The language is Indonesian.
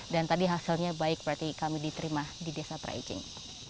dan tadi hasilnya baik berarti kami diterima di desa praijing